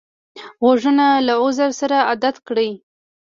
غوږونه له عذر سره عادت کړی